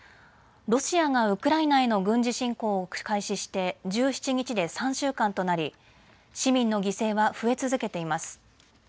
ロシアがウクライナへの軍事侵攻を開始して１７日で３週間となり市民の犠牲は増え続けています。